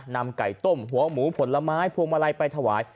นำไก่ต้มหัวหมูผลไม้พวงมาลัยไปถวาย